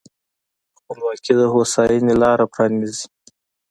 خپلواکي د هوساینې لاره پرانیزي.